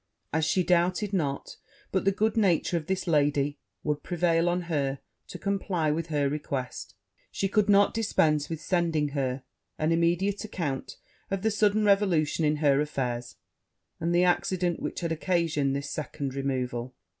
As she doubted not but the good nature of this lady would prevail on her to comply with her request, she could not dispense with sending her an immediate account of the sudden revolution in her affairs, and the accident which had occasioned this second removal.